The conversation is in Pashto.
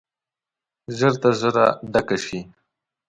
ژر تر ژره ډکه شي.